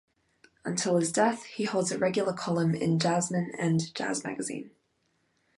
Until his death, he holds a regular column in "Jazzman" and "Jazz Magazine".